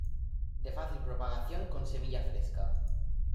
De fácil propagación con semilla fresca.